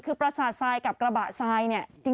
คือประสาททรายกับกระบะทรายเนี่ย